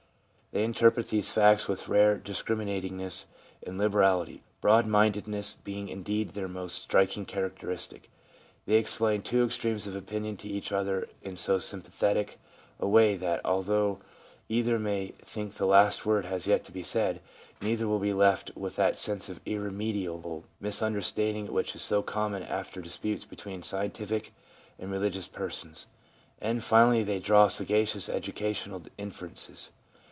They interpret these facts with rare discriminatingness and liberality — broad minded ness being indeed their most striking characteristic. They explain two extremes of opinion to each other in so sympathetic a way that, although either may think the last word has yet to be said, neither will be left with that sense of irremediable misunderstanding which is so common after disputes between scientific and religious persons. And, finally, they draw sagacious educational inferences.